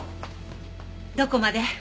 どこまで？